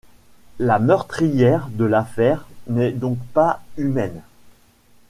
La meurtrière de l'affaire n'est donc pas humaine.